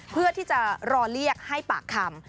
เพื่อที่จะรอเรียกให้ปากคำ